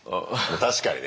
確かにね。